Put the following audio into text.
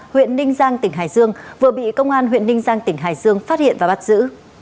huyện ninh giang tỉnh hải dương vừa bị công an huyện ninh giang tỉnh hải dương phát hiện và bắt giữ